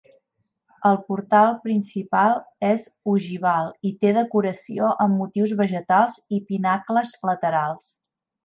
El portal principal és ogival i té decoració amb motius vegetals i pinacles laterals.